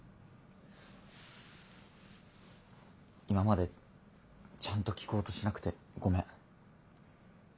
今までちゃんと聞こうとしなくてごめん。